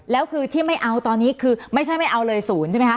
แล้วคือที่ไม่เอาตอนนี้คือไม่ใช่ไม่เอาเลย๐ใช่ไหมคะ